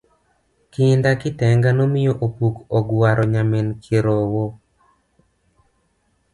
Kinda kitenga nomiyo opuk ogwaro nyarmin kirowo